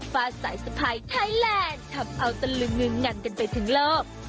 ฝาดสายสะพายไทยแลนด์ทำเอาตะลึงงึงงันกันไปถึงโลก